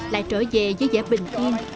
lại trở về với giả bình thiên